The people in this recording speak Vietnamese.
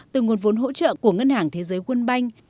từ nguồn vốn hỗ trợ của ngân hàng thế giới quân banh